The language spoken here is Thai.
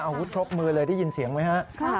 อาวุธครบมือเลยได้ยินเสียงไหมฮะ